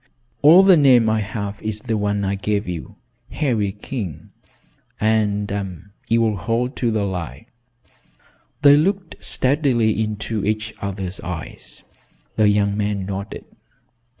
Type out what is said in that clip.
"All the name I have is the one I gave you, Harry King." "And you will hold to the lie?" They looked steadily into each other's eyes. The young man nodded.